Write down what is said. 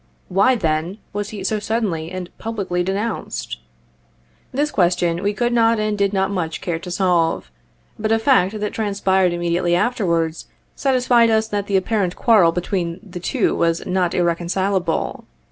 Why, then, was he so suddenly and publicly denounced? This question we could not and did not much care to solve ; but a fact that transpired immediately afterwards, satisfied us that the apparent quarrel between the two was not irreconcileable.